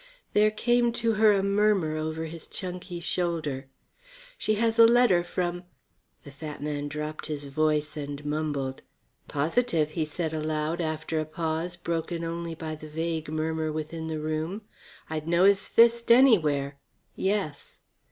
There came to her a murmur over his chunky shoulder. "She has a letter from " The fat man dropped his voice and mumbled. "Positive," he said, aloud, after a pause broken only by the vague murmur within the room. "I'd know his fist anywhere. Yes."